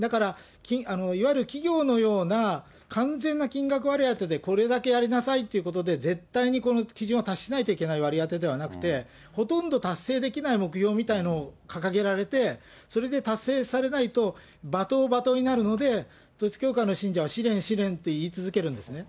いわゆる企業のような完全な金額割り当てでこれだけやりなさいということで、絶対にこの基準を達しないといけない割り当てではなくて、ほとんど達成できない目標みたいなのを掲げられて、それで達成されないと、罵倒、罵倒になるので、統一教会の信者は試練、試練って言い続けるんですね。